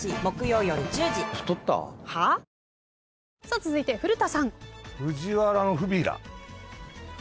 続いて古田さん。